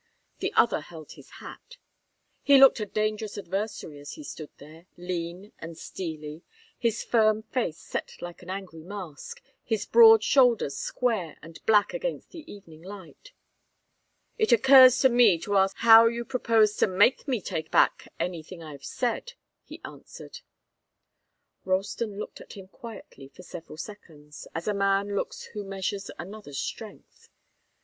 The other held his hat. He looked a dangerous adversary as he stood there, lean and steely, his firm face set like an angry mask, his broad shoulders square and black against the evening light. "It occurs to me to ask how you propose to make me take back anything I've said," he answered. Ralston looked at him quietly for several seconds, as a man looks who measures another's strength.